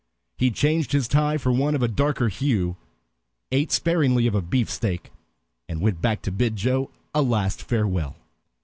He changed his tie for one of a darker hue, ate sparingly of a beefsteak, and went back to bid Joe a last farewell.